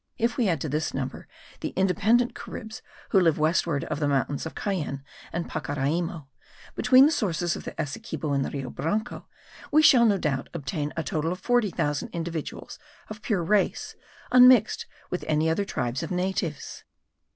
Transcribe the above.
If we add to this number the independent Caribs who live westward of the mountains of Cayenne and Pacaraymo, between the sources of the Essequibo and the Rio Branco, we shall no doubt obtain a total of forty thousand individuals of pure race, unmixed with any other tribes of natives.